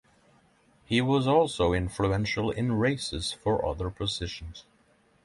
He was also influential in races for other positions.